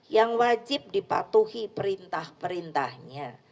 yang wajib dipatuhi perintah perintahnya